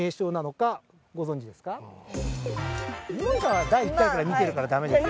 井森さんは第１回から見てるから駄目です。